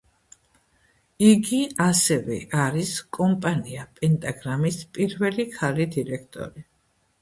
იგი ასევე არის კომპანია პენტაგრამის პირველი, ქალი დირექტორი.